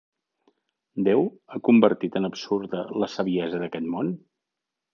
Déu ha convertit en absurda la saviesa d'aquest món?